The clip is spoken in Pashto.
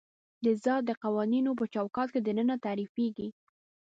د ذات د قوانینو په چوکاټ کې دننه تعریفېږي.